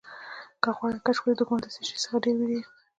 که غواړې کشف کړې دښمن د څه شي څخه ډېر وېرېږي.